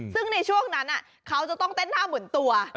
ซึ่งในช่วงนั้นเขาจะต้องเต้นท่าเหมือนตัว